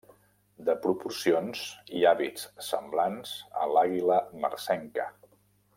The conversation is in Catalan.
De proporcions i hàbits semblants a l'àguila marcenca.